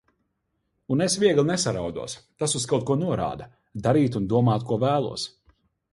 Un es viegli nesaraudos. Tas uz kaut ko norāda!! Darīt un domāt, ko vēlos.